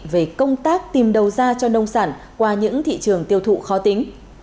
về công tác tìm đầu ra cho nông sản qua những thị trường tiêu thụ khó tính